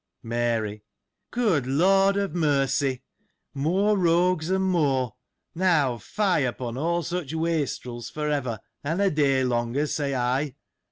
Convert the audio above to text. Mary. — Good Lord of Mercy ! More rogues, and more ! Now, fie ujoon all such ivastrUs, for ever, and a day longer, say I.